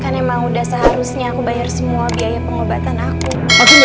kan emang udah seharusnya aku bayar semua biaya pengobatan aku